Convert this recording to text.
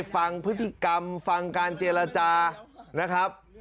ฟังพฤติกรรมฟังการเจรจานะครับ